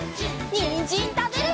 にんじんたべるよ！